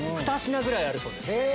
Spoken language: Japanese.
２品ぐらいあるそうです。